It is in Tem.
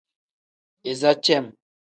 Iza cem.